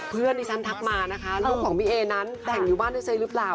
เพื่อนที่ฉันทักมานะคะลูกของพี่เอนั้นแต่งอยู่บ้านด้วยใช้หรือเปล่า